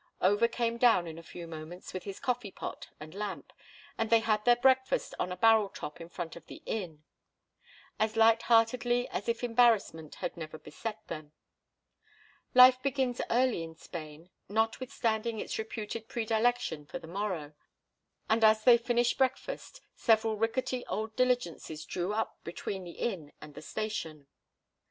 Over came down in a few moments with his coffee pot and lamp, and they had their breakfast on a barrel top in front of the inn, as light heartedly as if embarrassment had never beset them. Life begins early in Spain, notwithstanding its reputed predilection for the morrow, and as they finished breakfast several rickety old diligences drew up between the inn and the station.